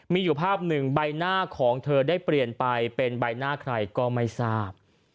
มีอยู่ภาพหนึ่งใบหน้าของเธอได้เปลี่ยนไปเป็นใบหน้าใครก็ไม่ทราบ